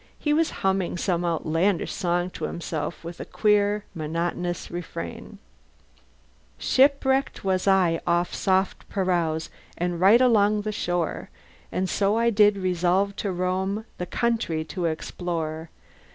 He was humming some outlandish song to himself, with a queer, monotonous refrain: Shipwrecked was I off Soft Perowse And right along the shore, And so I did resolve to roam The country to explore.